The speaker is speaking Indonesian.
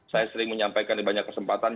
saya sering menyampaikan di banyak kesempatan